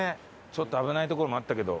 ちょっと危ないところもあったけど。